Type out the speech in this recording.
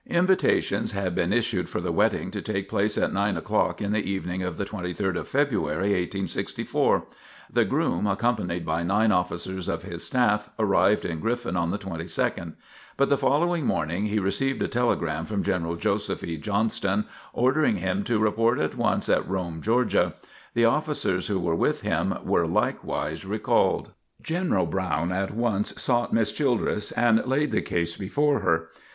Invitations had been issued for the wedding to take place at nine o'clock, in the evening of the 23rd of February, (1864). The groom, accompanied by nine officers of his staff, arrived in Griffin on the 22nd. But the following morning he received a telegram from General Joseph E. Johnston, ordering him to report at once at Rome, Georgia. The officers who were with him were likewise recalled. General Brown at once sought Miss Childress and laid the case before her.